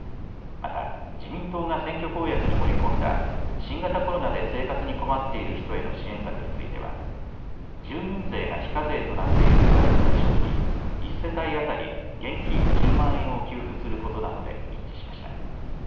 また自民党が選挙公約に盛り込んだ新型コロナで生活に困っている人への支援策については住民税が非課税となっている世帯を対象に１世帯当たり現金１０万円を給付することなどで一致しました。